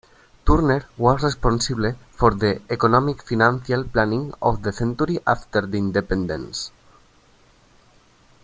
Turner was responsible for the economic, financial planning of the country after the independence.